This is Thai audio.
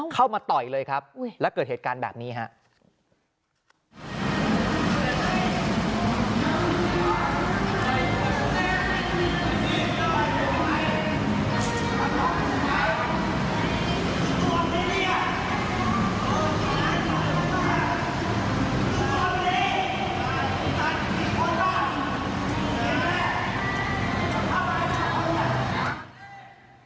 เข้ามาต่อยเลยครับแล้วเกิดเหตุการณ์แบบนี้ครับ